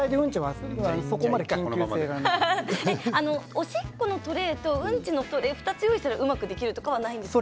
おしっこのトレーとうんちのトレー２つ用意したらうまくできるとかはないんですか？